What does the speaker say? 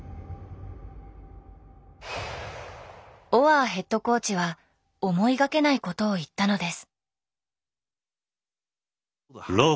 オアーヘッドコーチは思いがけないことを言ったのです。